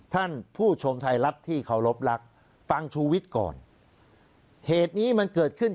ท่านผู้ชมไทยรัฐที่เคารพรักษ์ฟังชุวิตก่อน